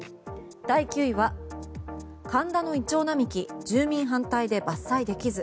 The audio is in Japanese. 第９位は、神田のイチョウ並木住民反対で伐採できず。